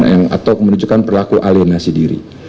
ya atau menunjukkan perilaku alienasi diri